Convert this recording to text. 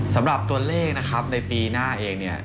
สำหรับตัวเลขนะครับในปีหน้าเองเนี่ย